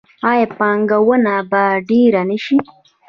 آیا پانګونه به ډیره نشي؟